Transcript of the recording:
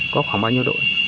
có khoảng bao nhiêu đội